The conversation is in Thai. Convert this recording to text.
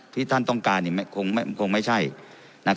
ที่ท่านต้องการคงไม่ใช่นะครับ